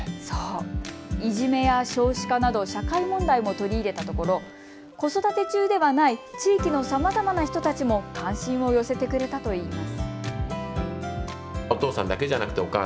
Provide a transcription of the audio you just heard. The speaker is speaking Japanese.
いじめや少子化など社会問題も取り入れたところ子育て中ではない地域のさまざまな人たちも関心を寄せてくれたといいます。